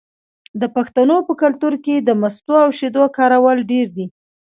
د پښتنو په کلتور کې د مستو او شیدو کارول ډیر دي.